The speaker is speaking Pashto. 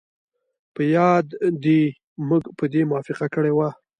په یاد دي موږ په دې موافقه کړې وه